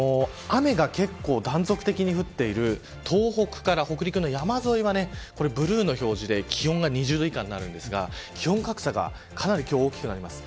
雨が結構断続的に降っている東北から北陸の山沿いはブルーの表示で気温が２０度以下になりますが気温格差がかなり今日は大きくなります。